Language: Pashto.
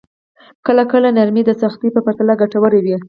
کله کله نرمي د سختۍ په پرتله ګټوره وي.